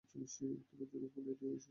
তোমার জন্য ফুল নিয়ে এসেছি।